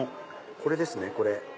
これですねこれ。